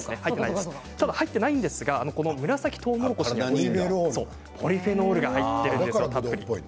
入っていないんですけれど紫とうもろこしにポリフェノールが入っているんです。